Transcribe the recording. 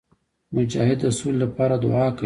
مجاهد د سولي لپاره دعا کوي.